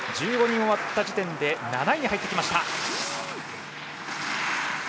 １５人終わった時点で７位に入ってきました。